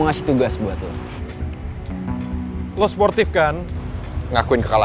besok bakalan ada hal yang mengejutkan di sekolah